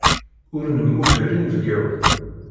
Ur nemmuger inebgawen.